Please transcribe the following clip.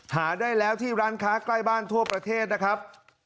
หาได้แล้วที่ร้านค้าใกล้บ้านทั่วประเทศนะครับ